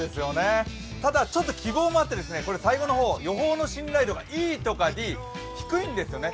ただ、ちょっと希望もあって最後の方、予報の信頼度ＥとかＤ低いんですよね。